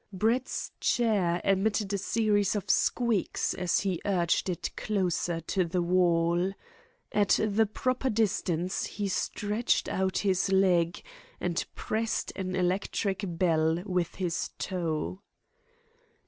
Brett's chair emitted a series of squeaks as he urged it closer to the wall. At the proper distance he stretched out his leg and pressed an electric bell with his toe.